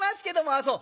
「ああそう。